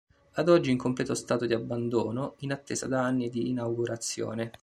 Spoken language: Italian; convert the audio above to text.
Ad oggi in completo stato di abbandono, in attesa da anni di inaugurazione.